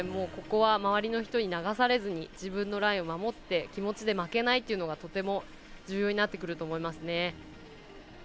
ここは周りの人に流されずに自分のラインを守って気持ちで負けないというのがとても重要になってくると思います。